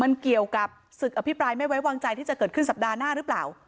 มันเกี่ยวกับศึกอภิปรายไม่ไว้วางใจที่จะเกิดขึ้นสัปดาห์หน้าหรือเปล่า